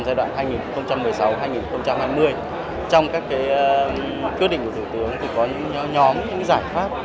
giai đoạn hai nghìn một mươi sáu hai nghìn hai mươi trong các quyết định của thủ tướng thì có những nhóm những giải pháp